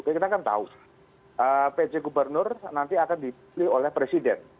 kita kan tahu pj gubernur nanti akan dipilih oleh presiden